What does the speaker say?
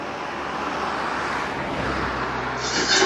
东北扁果草为毛茛科扁果草属下的一个种。